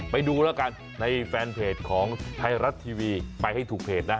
ไปดูแล้วกันในแฟนเพจของไทยรัฐทีวีไปให้ถูกเพจนะ